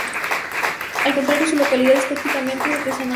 Al contrario, su calidad es prácticamente artesanal.